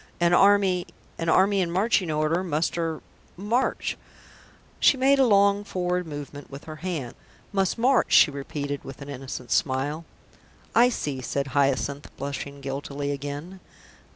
An army an army in marching order must er march." She made a long forward movement with her hand. "Must march," she repeated, with an innocent smile. "I see," said Hyacinth, blushing guiltily again.